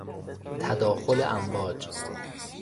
تداخل امواج